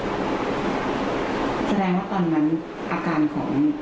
แสดงว่าตอนนั้นอาการของ